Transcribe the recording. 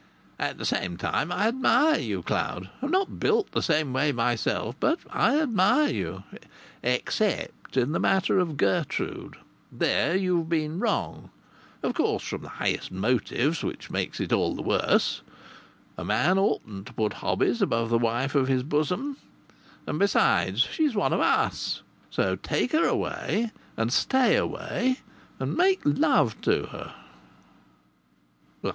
"At the same time I admire you, Cloud. I'm not built the same way myself, but I admire you except in the matter of Gertrude. There you've been wrong of course from the highest motives: which makes it all the worse. A man oughtn't to put hobbies above the wife of his bosom. And, besides, she's one of us. So take her away and stay away and make love to her."